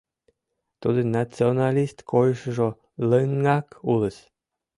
Тудын националист койышыжо лыҥак улыс.